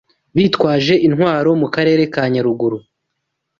bitwaje intwaro mu Karere ka Nyaruguru